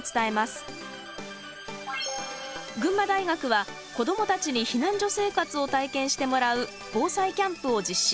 群馬大学は子どもたちに避難所生活を体験してもらう「防災キャンプ」を実施。